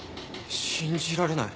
信じられない。